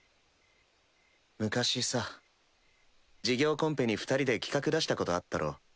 昔さ事業コンペに二人で企画出したことあったろ